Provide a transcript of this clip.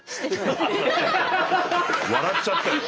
笑っちゃったよ。